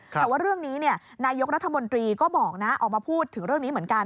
แต่ว่าเรื่องนี้นายกรัฐมนตรีก็บอกนะออกมาพูดถึงเรื่องนี้เหมือนกัน